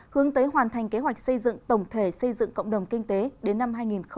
hướng tới hoàn thành kế hoạch xây dựng tổng thể xây dựng cộng đồng kinh tế đến năm hai nghìn ba mươi